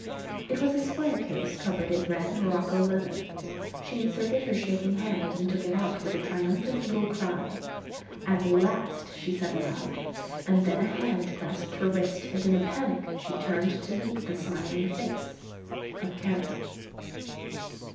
It was a square case covered in red morocco leather. She inserted her shaking hand and took it out with a triumphant little cry. "At last," she said aloud, and then a hand grasped her wrist and in a panic she turned to meet the smiling face of Kara.